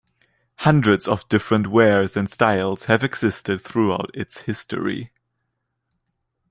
Hundreds of different wares and styles have existed throughout its history.